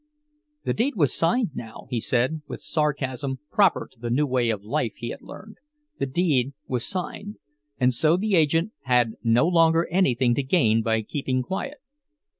The deed was signed now, he said, with sarcasm proper to the new way of life he had learned—the deed was signed, and so the agent had no longer anything to gain by keeping quiet.